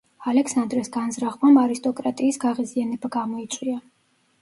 ალექსანდრეს განზრახვამ არისტოკრატიის გაღიზიანება გამოიწვია.